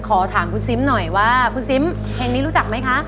ขอถามคุณซิมหน่อยว่าคุณซิมเพลงนี้รู้จักไหมคะ